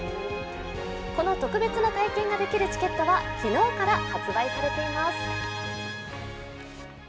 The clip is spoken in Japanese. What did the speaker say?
この特別な体験ができるチケットは昨日から発売されています。